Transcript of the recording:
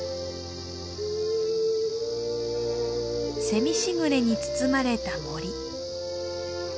せみ時雨に包まれた森。